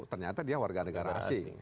ternyata dia warganegara asing